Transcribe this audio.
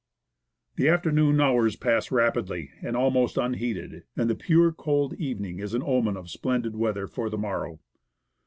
The afternoon hours pass rapidly and almost unheeded, and the pure cold evening is an omen of splendid weather for the morrow.